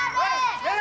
angga kenapa kalian lari